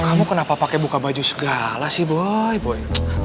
kamu kenapa pakai buka baju segala sih boi boy